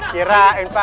kira ini paham